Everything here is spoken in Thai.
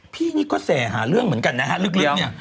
พี่นี่ก็แสหาเรื่องเหมือนกันนะฮะลึกเนี่ย